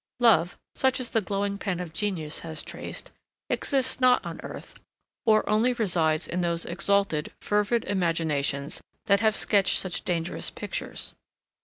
Love, such as the glowing pen of genius has traced, exists not on earth, or only resides in those exalted, fervid imaginations that have sketched such dangerous pictures.